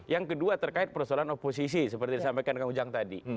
yang kedua terkait persoalan oposisi seperti disampaikan kang ujang tadi